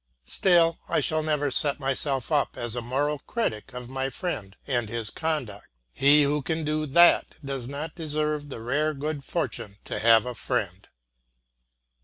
Still I shall never set myself up as a moral critic of my friend and his conduct; he who can do that does not deserve the rare good fortune to have a friend.